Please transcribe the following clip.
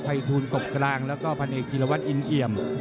ภัยทูลกบกลางแล้วก็พันเอกจิลวัตรอินเอี่ยม